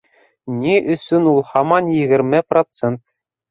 Ни өсөн ул һаман егерме процент?